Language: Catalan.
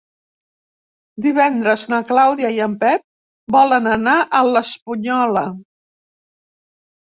Divendres na Clàudia i en Pep volen anar a l'Espunyola.